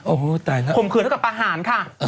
โอ้โหตายแล้วข่มขืนเท่ากับประหารค่ะ